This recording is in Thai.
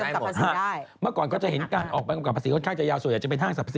เรากระแสกรัฐบาลออกมาตรการช็อคช่วยชาติ